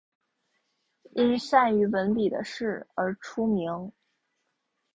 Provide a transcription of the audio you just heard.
因善于文笔的事而出名。